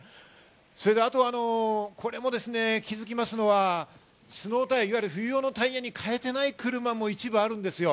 それであと、これもですね気づきますのは、スノータイヤ、いわゆる冬用のタイヤにかえてない車も一部あるんですよ。